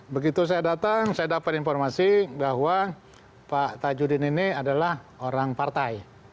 begitu saya datang saya dapat informasi bahwa pak tajudin ini adalah orang partai